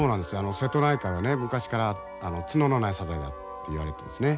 瀬戸内海はね昔から角のないサザエだっていわれてますね。